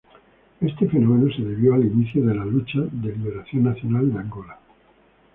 Este fenómeno, se debió al inicio de la Lucha de Liberación Nacional de Angola.